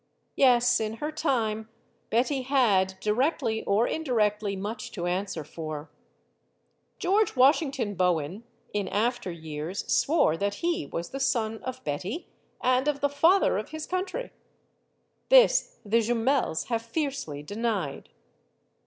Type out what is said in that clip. Yes, in her time Betty had directly or indirectly much to answer for. MADAME JUMEL 95 George Washington Bowen, in after years, swore that he was the son of Betty and of the Father of his Country. This the Jumels have fiercely denied.